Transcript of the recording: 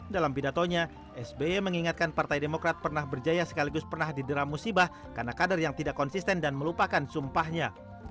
dalam pidatonya sby mengingatkan partai demokrat pernah berjaya sekaligus pernah didera musibah karena kader yang tidak konsisten dan melupakan sumpahnya